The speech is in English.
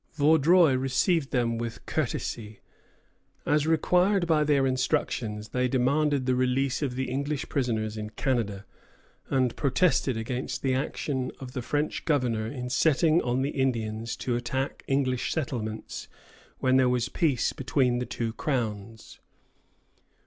Vaudreuil received them with courtesy. As required by their instructions, they demanded the release of the English prisoners in Canada, and protested against the action of the French governor in setting on the Indians to attack English settlements when there was peace between the two Crowns.